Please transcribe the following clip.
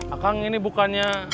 akang ini bukannya